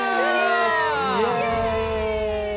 イエイ！